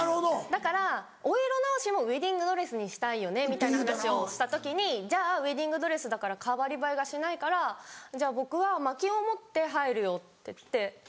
だからお色直しもウエディングドレスにしたいよねみたいな話をした時に「じゃあウエディングドレスだから代わり映えがしないからじゃあ僕は薪を持って入るよ」って言って。